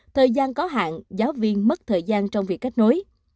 thời gian có hạn giáo viên mất thời gian trong việc kết nối